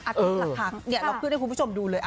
อาทิตย์ละครั้งเนี่ยเราขึ้นให้คุณผู้ชมดูเลย